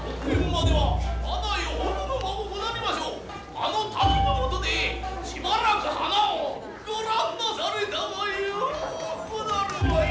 「あの滝の下でしばらく花をご覧なされたがようござるわい」。